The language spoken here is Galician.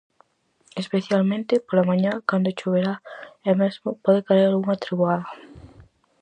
Especialmente pola mañá cando choverá e mesmo pode caer algunha treboada.